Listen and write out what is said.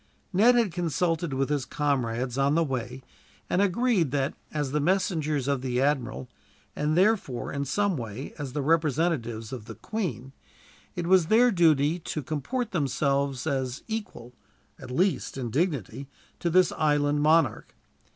Ned had consulted with his comrades on the way, and had agreed that, as the messengers of the admiral, and therefore in some way as the representatives of the Queen, it was their duty to comport themselves as equal, at least, in dignity to this island monarch.